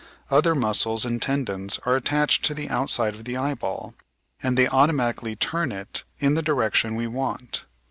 Other muscles and tendons are attached to the outside of the eyebaU, and they automatically turn it in the direction we want.